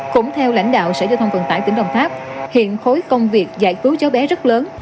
cũng theo lãnh đạo sở giao thông vận tải tỉnh đồng tháp hiện khối công việc giải cứu cháu bé rất lớn